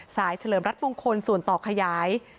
เฉลิมรัฐมงคลส่วนต่อขยาย